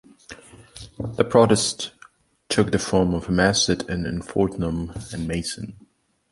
The protest took the form of a mass sit-in in Fortnum and Mason.